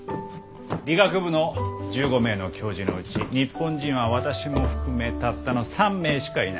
理学部の１５名の教授のうち日本人は私も含めたったの３名しかいない。